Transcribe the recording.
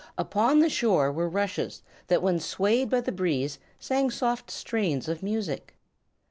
Upon the shore were rushes that when swayed by the breeze sang soft strains of music.